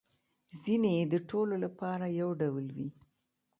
ځینې يې د ټولو لپاره یو ډول وي